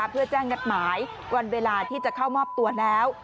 เพื่อแจ้งนัดหมายวันเวลาที่จะเข้ามอบตัวแล้ว